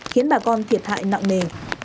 khiến bà con thiệt hại nặng nề